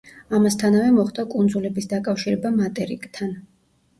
ამასთანავე მოხდა კუნძულების დაკავშირება მატერიკთან.